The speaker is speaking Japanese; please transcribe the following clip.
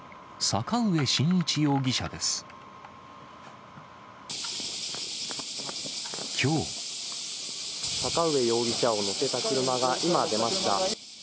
坂上容疑者を乗せた車が今、出ました。